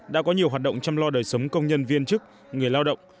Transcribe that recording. đã có nhiều hoạt động chăm lo đời sống công nhân viên chức người lao động